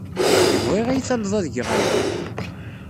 Bɣiɣ ad iyi-talled ad geɣ aya.